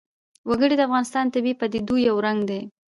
وګړي د افغانستان د طبیعي پدیدو یو رنګ دی.